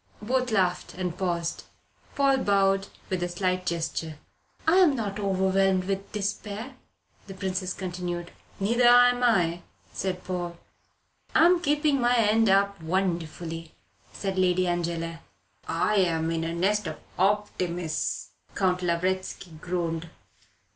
Both laughed, and paused. Paul bowed with a slight gesture. "I am not overwhelmed with despair," the Princess continued. "Neither am I," said Paul. "I am keeping my end up wonderfully," said Lady Angela. "I am in a nest of optimists," Count Lavretsky groaned.